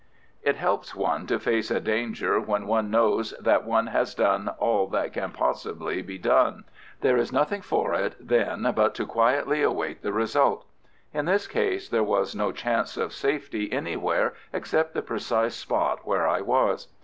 It helps one to face a danger when one knows that one has done all that possibly can be done. There is nothing for it then but to quietly await the result. In this case, there was no chance of safety anywhere except the precise spot where I was.